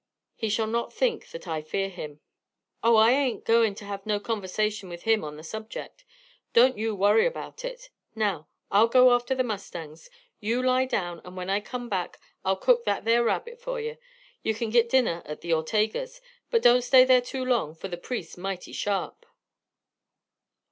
He shall not think that I fear him." "Oh, I ain't goin' to have no conversation with him on the subject. Don't you worry about that. Now, I'll go after the mustangs. You lie down, and when I come back I'll cook that there rabbit for yer. You kin git dinner at the Ortegas', but don't stay there too long, for the priest's mighty sharp."